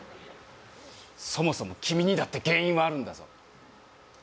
そもそも君にだって原因はあるんだぞ